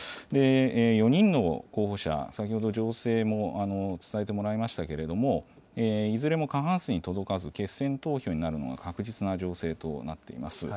４人の候補者、先ほど情勢も伝えてもらいましたけれども、いずれも過半数に届かず、決選投票になるのは確実な情勢となっています。